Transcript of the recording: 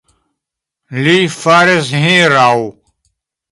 Li faris hieraŭ